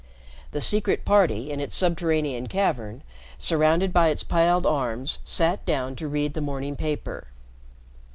The Secret Party, in its subterranean cavern, surrounded by its piled arms, sat down to read the morning paper.